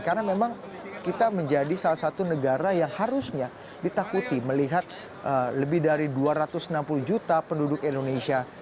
karena memang kita menjadi salah satu negara yang harusnya ditakuti melihat lebih dari dua ratus enam puluh juta penduduk indonesia